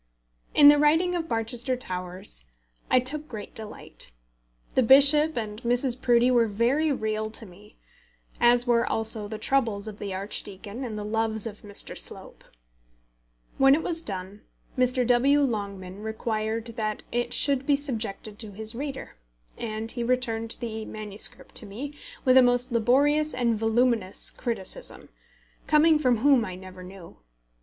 In the writing of Barchester Towers I took great delight. The bishop and Mrs. Proudie were very real to me, as were also the troubles of the archdeacon and the loves of Mr. Slope. When it was done, Mr. W. Longman required that it should be subjected to his reader; and he returned the MS. to me, with a most laborious and voluminous criticism, coming from whom I never knew.